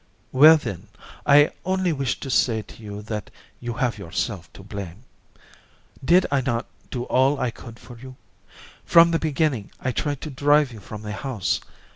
"Well; then, I only wished to say to you that you have yourself to blame. Did I not do all I could for you? From the beginning I tried to drive you from the house.